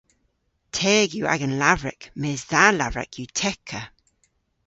Teg yw agan lavrek mes dha lavrek yw tekka!